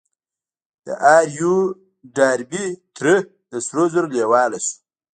د آر يو ډاربي تره د سرو زرو لېواله شو.